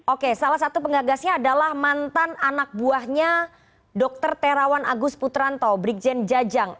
oke salah satu pengagasnya adalah mantan anak buahnya dokter terawan agus putranto brigjen jajang